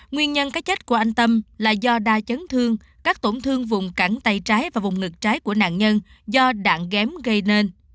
nguyên nhân cái chết của anh tâm là do đa chấn thương các tổn thương vùng cẳng tay trái và vùng ngực trái của nạn nhân do đạn ghém gây nên